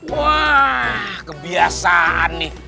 wah kebiasaan nih